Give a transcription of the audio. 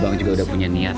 abang juga udah punya niat